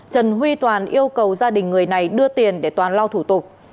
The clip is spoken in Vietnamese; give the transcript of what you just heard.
trần huy toàn yêu cầu gia đình người này đưa tiền để toàn lao thủ tục